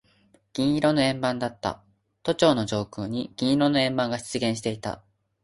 銀色の円盤だった。都庁の上空に銀色の円盤が出現していた。